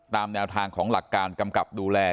แนวทางของหลักการกำกับดูแล